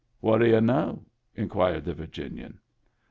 " What d' y'u know? " inquired the Virginian.